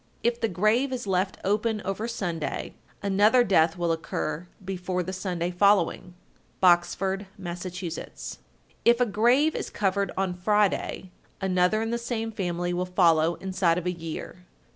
If the grave is left open over Sunday, another death will occur before the Sunday following. Boxford, Mass. 1263. If a grave is covered on Friday, another in the same family will follow inside of a year.